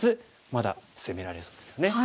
まだ攻められそうですよね。